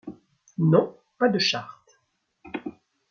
Non ! pas de charte !